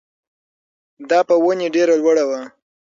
دا په ونې ډېره لوړه وه.